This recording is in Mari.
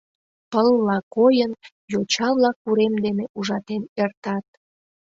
Пылла койын, йоча-влак урем дене ужатен эртат.